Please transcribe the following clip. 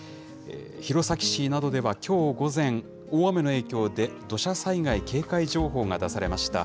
弘前市などでは、きょう午前、大雨の影響で土砂災害警戒情報が出されました。